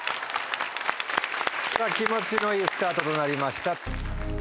気持ちのいいスタートとなりました。